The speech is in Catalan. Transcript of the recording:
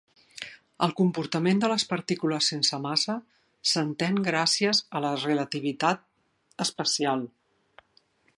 El comportament de les partícules sense massa s'entén gràcies a la relativitat especial.